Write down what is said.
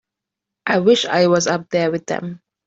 I wish I was up there with them.